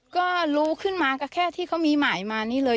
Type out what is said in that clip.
ก็รู้ขึ้นมาก็แค่ที่เขามีหมายมานี่เลย